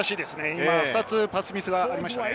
きょうは２つパスミスがありました。